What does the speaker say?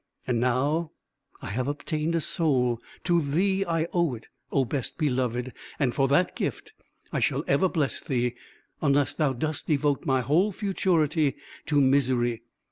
And now I have obtained a soul; to thee I owe it, O best beloved! and for that gift I shall ever bless thee, unless thou dost devote my whole futurity to misery.